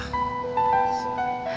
what dosa itu nih